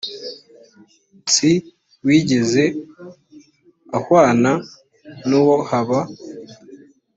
nsi wigeze uhwana n uwo haba